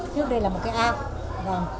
trước đây là một cái ao